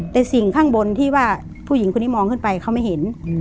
แต่สิ่งข้างบนที่ว่าผู้หญิงคนนี้มองขึ้นไปเขาไม่เห็น